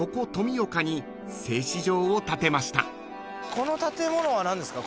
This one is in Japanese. この建物は何ですか？